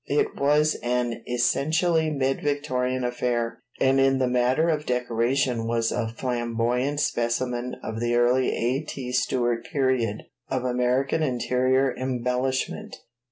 It was an essentially mid Victorian affair, and in the matter of decoration was a flamboyant specimen of the early A. T. Stewart period of American interior embellishment.